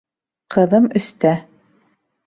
Ҡыҙым өстә